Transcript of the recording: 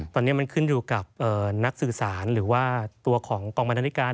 ตอนนี้มันขึ้นอยู่กับนักสื่อสารหรือว่าตัวของกองบรรณาธิการ